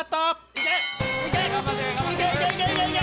いけ！